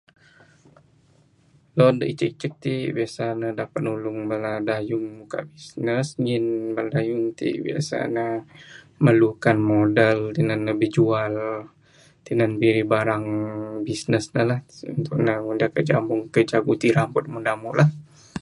Loan da icek icek ti biasa ne dapat nulung bala dayung muka bisnes ngin dayung ti biasa ne memerlukan modal tinan ne bijual tinan ne mirih barang bisnes ne lah. [unintelligible]